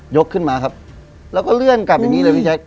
ขึ้นมาครับแล้วก็เลื่อนกลับอย่างนี้เลยพี่แจ๊